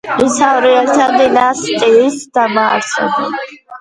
ისავრიელთა დინასტიის დამაარსებელი.